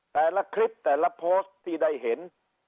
แต่ละคลิปแต่ละโพสต์ที่ได้เห็น